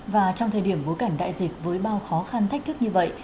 và trong thời điểm bối cảnh đại dịch với bao khó khăn thách thức như vậy